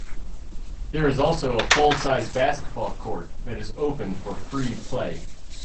There is also a full size basketball court that is open for free play.